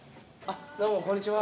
どうもこんにちは。